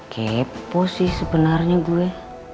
kepo sih sebenarnya gue